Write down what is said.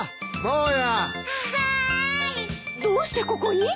どうしてここに？